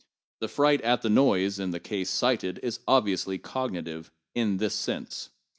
The fright at the noise in the case cited is obviously cognitive, in this sense.